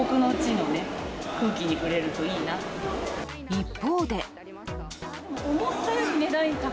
一方で。